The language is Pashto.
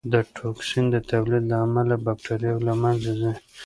د ټوکسین د تولید له امله بکټریاوې له منځه ځي.